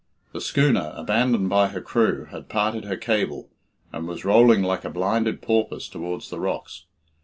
The schooner, abandoned by her crew, had parted her cable, and was rolling like a blinded porpoise towards the rocks.